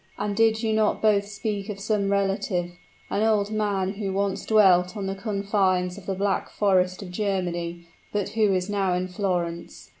"And did you not both speak of some relative an old man who once dwelt on the confines of the Black Forest of Germany, but who is now in Florence?"